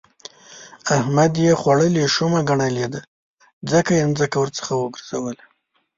احمد يې خوړلې شومه ګنلی دی؛ ځکه يې ځمکه ورڅخه وګرځوله.